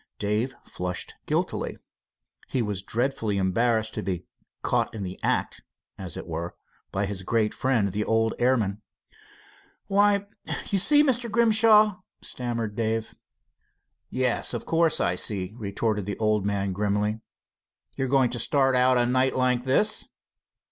Dave flushed guiltily. He was dreadfully embarrassed to be "caught in the act" as it were, by his great friend, the old airman. "Why you see, Mr. Grimshaw " stammered Dave. "Yes, of course I see," retorted the old man firmly. "You're going to start out a night like this."